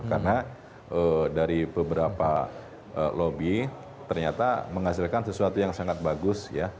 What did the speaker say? karena dari beberapa lobby ternyata menghasilkan sesuatu yang sangat bagus